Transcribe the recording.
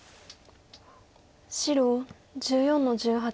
白１４の十八。